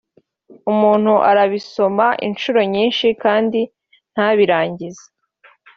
Umuntu arabisoma inshuro nyinshi kandi ntabirangiza